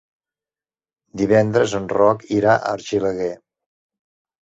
Divendres en Roc irà a Argelaguer.